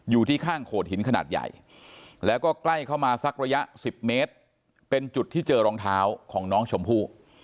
อยู่ที่ข้างโขดหินขนาดใหญ่แล้วก็ใกล้เข้ามาสักระยะ๑๐เมตรเป็นจุดที่เจอรองเท้าของน้องชมพู่